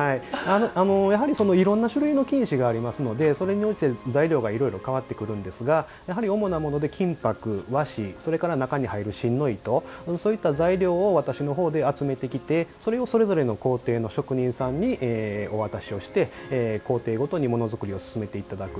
やはりいろんな種類の金糸がありますのでそれに応じて材料がいろいろ変わってくるんですが主なもので金ぱく、和紙中に入る芯の糸そういった材料を私のほうで集めてきて、それをそれぞれの工程の職人さんにお渡しをして工程ごとにものづくりを進めていただく。